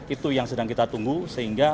itu yang sedang kita tunggu sehingga